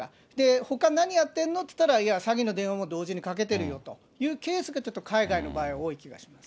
ほか、何やってんの？って言ったら、いや、詐欺の電話も同時にかけてるよというケースが、ちょっと海外の場合は多い気がします。